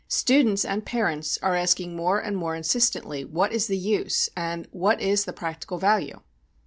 Students and parents are asking more and more insistently, "What is the use?" and "What is the practical value?"